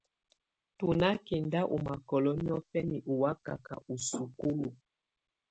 Tù nà kɛnda ù makɔlɔ niɔfɛna ɔ wakaka ù sukulu.